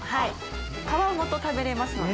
皮ごと食べれますので。